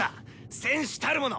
戦士たるもの！